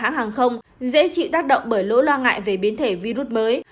hãng hàng không dễ chịu tác động bởi lỗi lo ngại về biến thể virus mới